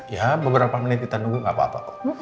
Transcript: ya beberapa menit kita nunggu gak apa apa kok